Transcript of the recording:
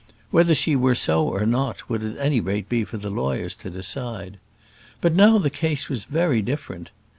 Whether she were so or not would at any rate be for lawyers to decide. But now the case was very different.